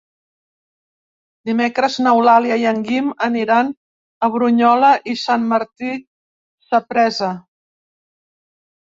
Dimecres n'Eulàlia i en Guim aniran a Brunyola i Sant Martí Sapresa.